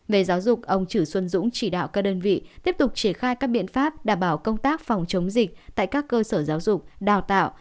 về giáo dục ông chử xuân dũng chỉ đạo các đơn vị tiếp tục triển khai các biện pháp đảm bảo công tác phòng chống dịch tại các cơ sở giáo dục đào tạo